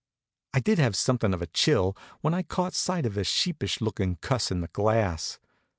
I did have something of a chill when I caught sight of a sheepish looking cuss in the glass.